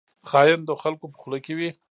خاین د خلکو په خوله کې وي